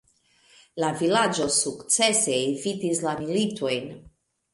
La vilaĝo sukcese evitis la militojn.